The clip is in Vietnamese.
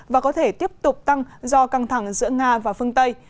và có thể tiếp tục tăng do căng thẳng giữa nga và phương tây